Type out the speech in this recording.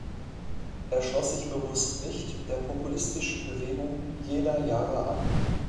Er schloss sich bewusst nicht der populistischen Bewegung jener Jahre an.